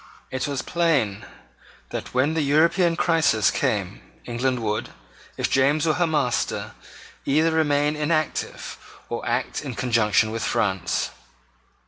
It was plain that, when the European crisis came, England would, if James were her master, either remain inactive or act in conjunction with France.